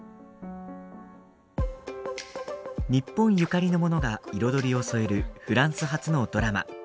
日本ゆかりのものが彩りを添えるフランス発のドラマ。